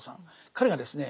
彼がですね